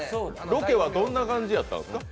ロケはどんな感じやったんですか？